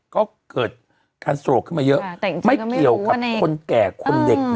ก็เกิดการโศกขึ้นมาเยอะไม่เกี่ยวกับคนแก่คนเด็ก